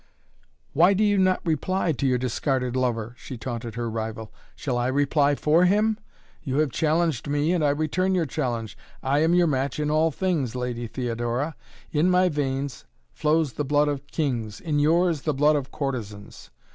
"Why do you not reply to your discarded lover?" she taunted her rival. "Shall I reply for him? You have challenged me, and I return your challenge! I am your match in all things, Lady Theodora. In my veins flows the blood of kings in yours the blood of courtesans.